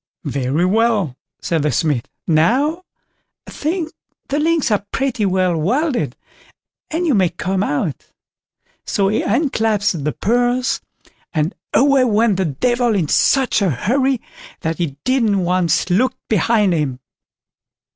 "Very well!" said the Smith; "now, I think, the links are pretty well welded, and you may come out"; so he unclasped the purse, and away went the Devil in such a hurry that he didn't once look behind him.